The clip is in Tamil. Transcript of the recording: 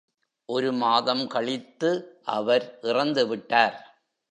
ஒரு மாதம் கழித்து அவர் இறந்துவிட்டார்.